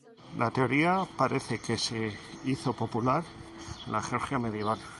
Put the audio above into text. La teoría parece que se hizo popular en la Georgia medieval.